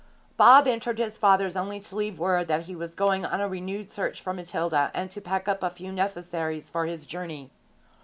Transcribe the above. Bob entered his father's only to leave word that he was going on a renewed search for Matilda, and to pack up a few necessaries for his journey.